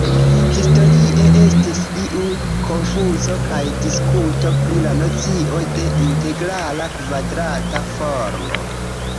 Historie estis iu konfuzo kaj diskuto pri la nocio de integrala kvadrata formo.